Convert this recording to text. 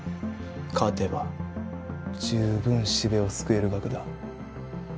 勝てば十分四部を救える額だ。